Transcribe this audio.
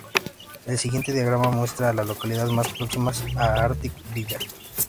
El siguiente diagrama muestra a las localidades más próximas a Arctic Village.